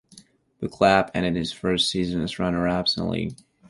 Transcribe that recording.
The club ended his first season as runners-up in the League.